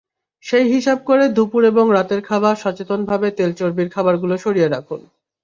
সেই হিসাব করে দুপুর এবং রাতের খাবার সচেতনভাবে তেল-চর্বির খাবারগুলো সরিয়ে রাখুন।